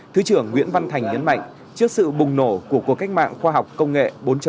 thứ trưởng nguyễn văn thành nhấn mạnh trước sự bùng nổ của cuộc cách mạng khoa học công nghệ bốn